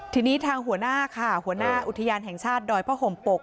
ทีนี้ทางหัวหน้าค่ะหัวหน้าอุทยานแห่งชาติดอยผ้าห่มปก